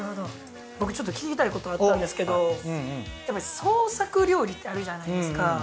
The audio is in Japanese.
僕ちょっと聞きたいことがあったんですけど創作料理ってあるじゃないですか。